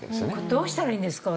どうしたらいいんですか？